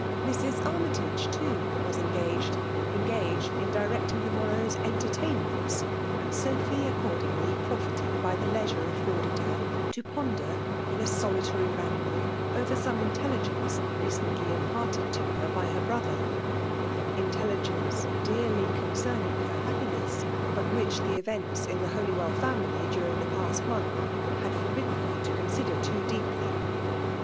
Mrs. Army tage, too> was engaged ;— engaged in directing the morrow's entertainments ; and Sophy ac cordingly profited by the leisure aflforded her io ponder in a solitary ramble over some in teHigenee recently imparted to her by her brother; — intelligence dearly concerning her ba|>pine8s; but which the events in the Holy 18 FBMALB IK>MI1lAT»f. w^ family dving the past month hid forbid* den her to consider too deeply.